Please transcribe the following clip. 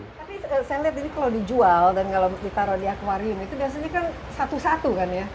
tapi saya lihat ini kalau dijual dan kalau ditaruh di akwarium itu biasanya kan satu satu kan ya